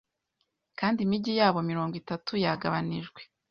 Kandi imigi yabo mirongo itatu yagabanijwe